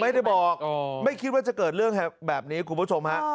ไม่ได้บอกไม่คิดว่าจะเกิดเรื่องแบบนี้คุณผู้ชมฮะ